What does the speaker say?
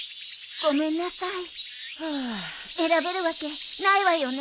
選べるわけないわよね。